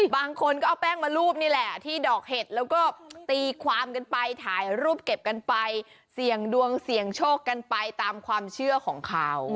บางคนก็เอาแป้งมารูปนี่แหละที่ดอกเห็ดแล้วก็ตีความกันไปถ่ายรูปเก็บกันไปเสี่ยงดวงเสี่ยงโชคกันไปตามความเชื่อของเขา